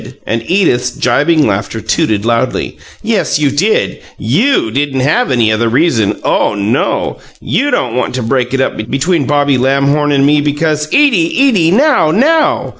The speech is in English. And Edith's gibing laughter tooted loudly. "Yes, you did! YOU didn't have any other reason! OH no! YOU don't want to break it up between Bobby Lamhorn and me because " "Edie, Edie! Now, now!"